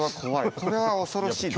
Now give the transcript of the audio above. これは恐ろしいです。